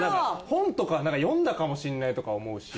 本とかはなんか読んだかもしれないとか思うし。